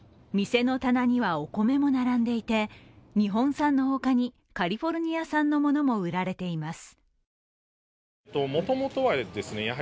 店の棚にはお米も並んでいて日本産のほかにカリフォルニア産のものも売られています。